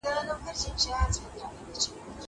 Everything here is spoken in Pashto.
زه پرون ليکنه کوم.